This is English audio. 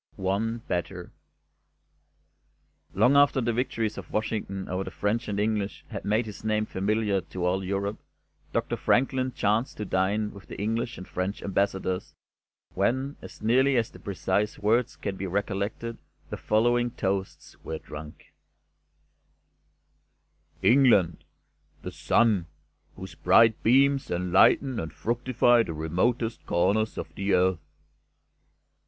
ONE BETTER Long after the victories of Washington over the French and English had made his name familiar to all Europe, Doctor Franklin chanced to dine with the English and French Ambassadors, when, as nearly as the precise words can be recollected, the following toasts were drunk: "England' The Sun, whose bright beams enlighten and fructify the remotest corners of the earth."